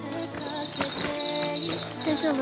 大丈夫？